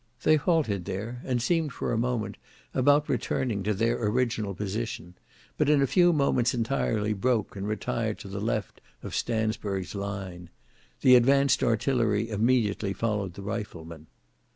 They halted there, and seemed for a moment about returning to their original position, but in a few moments entirely broke and retired to the left of Stansburg's line. The advanced artillery immediately followed the riflemen.